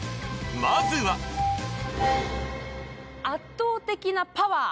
まずは圧倒的なパワー！